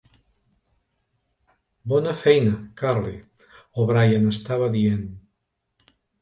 Bona feina, Curly, O'Brien estava dient.